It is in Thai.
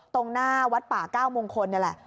ตรงหน้าวัดป่าเก้ามงคลนี่แหละ